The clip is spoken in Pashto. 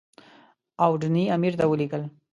اوډني امیر ته ولیکل.